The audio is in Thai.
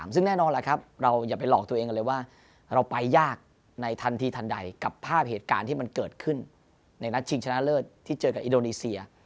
ซึ่งแน่นอนล่ะครับเราอย่าไปหลอกตัวเองกันเลยว่าเราไปยากในทันทีทันใดกับภาพเหตุการณ์ที่มันเกิดขึ้นในนัดชิงชนะเลิศที่เจอกับอินโดนีเซีย